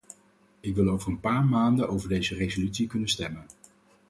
Ik wil over een paar maanden over deze resolutie kunnen stemmen.